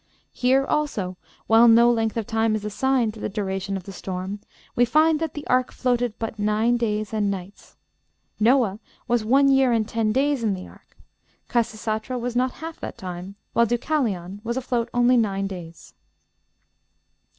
Here, also, while no length of time is assigned to the duration of the storm, we find that the ark floated but nine days and nights. Noah was one year and ten days in the ark, Khasisatra was not half that time, while Deucalion was afloat only nine days.